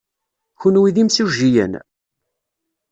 Kenwi d imsujjiyen?